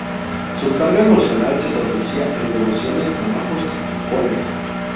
Su carga emocional se traducía en devociones, trabajos y cólera.